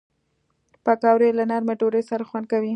پکورې له نرمې ډوډۍ سره خوند کوي